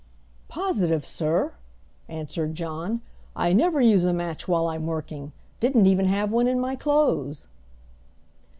"Positive, sir!" answered John. "I never use a match while I'm working. Didn't even have one in my clothes."